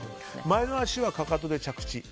前の足は、かかとで着地。